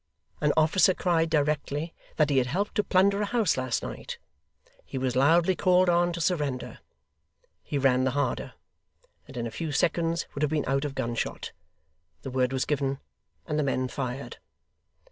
An officer cried directly that he had helped to plunder a house last night. He was loudly called on, to surrender. He ran the harder, and in a few seconds would have been out of gunshot. The word was given, and the men fired.